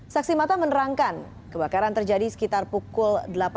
saksi mata menerangkan kebakaran terjadi sekitar pukul delapan belas